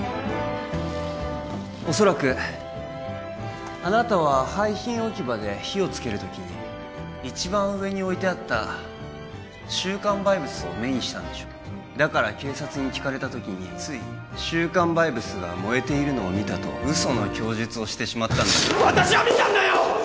おそらくあなたは廃品置き場で火をつける時に一番上に置いてあった週刊バイブスを目にしたんでしょうだから警察に聞かれた時につい「週刊バイブスが燃えているのを見た」と嘘の供述をしてしまった私は見たんだよっ